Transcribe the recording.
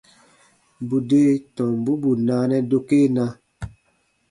Bù de tombu bù naanɛ dokena.